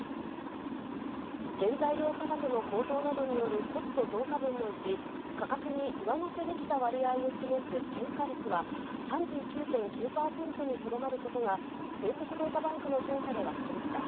原材料価格の高騰などによるコスト増加分のうち、価格に上乗せできた割合を示す転嫁率は、３９．９％にとどまることが、帝国データバンクの調査で分かりました。